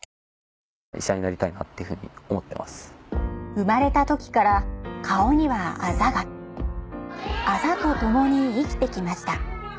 生まれた時から顔にはあざがあざと共に生きてきました